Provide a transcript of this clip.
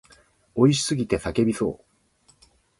美味しすぎて叫びそう。